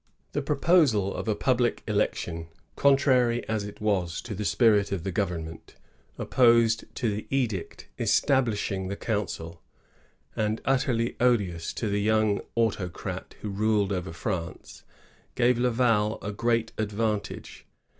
209 The proposal of a public election, contrary as it was to the spirit of the government, opposed to the edict establishing the council, and utterly odious to the young autocrat who ruled over France, gave Laval a great advantage.